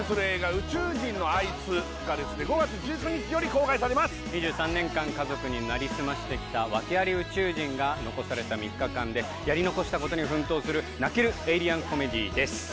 「宇宙人のあいつ」がですね５月１９日より公開されます２３年間家族になりすましてきた訳あり宇宙人が残された３日間でやり残したことに奮闘する泣けるエイリアンコメディーです